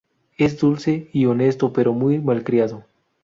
Es dulce y honesto pero muy malcriado.